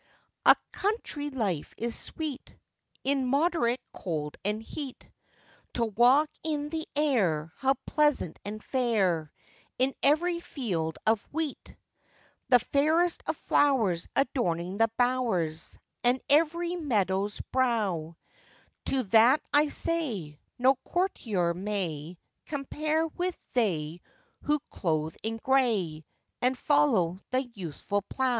] A COUNTRY life is sweet! In moderate cold and heat, To walk in the air, how pleasant and fair! In every field of wheat, The fairest of flowers adorning the bowers, And every meadow's brow; To that I say, no courtier may Compare with they who clothe in grey, And follow the useful plow.